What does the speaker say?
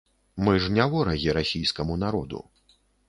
Мы ж не ворагі расійскаму народу.